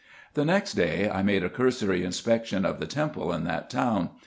The next day I made a cursory inspection of the temple in that town.